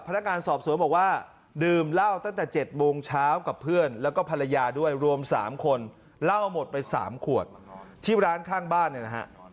เพื่อนแล้วก็ภรรยาด้วยรวม๓คนเล่าหมดไป๓ขวดที่ร้านข้างบ้านเนี่ยนะฮะ